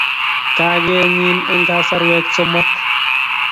Kakenyin eng kasarwek somok